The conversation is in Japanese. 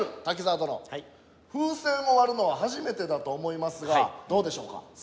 滝沢殿風船を割るのは初めてだと思いますがどうでしょうか？